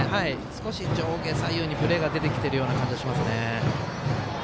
少し上下左右にぶれが出てきている感じがしますね。